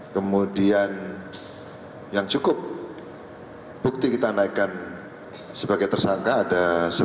kemudian yang cukup bukti kita naikkan sebagai tersangka ada sebelas